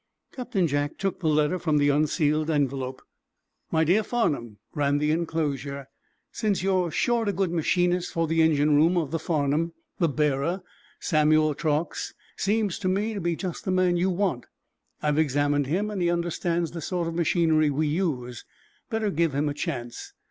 Captain Jack took the letter from the unsealed envelope. "My dear Farnum," ran the enclosure, "since you're short a good machinist for the engine room of the 'Farnum,' the bearer, Samuel Truax, seems to me to be just the man you want. I've examined him, and he understands the sort of machinery we use. Better give him a chance."